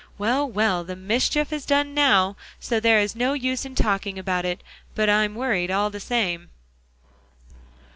"Well, well, the mischief is done now, so there is no use in talking about it; but I'm worried, all the same."